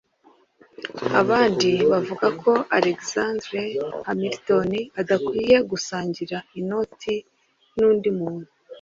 Abandi bavugaga ko Alexander Hamilton adakwiye gusangira inoti n’undi muntu